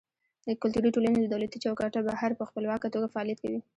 کلتوري ټولنې له دولتي چوکاټه بهر په خپلواکه توګه فعالیت کوي.